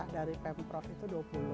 dari pemprov itu dua puluh